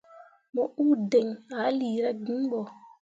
Mo uu diŋ ah lira gin bo.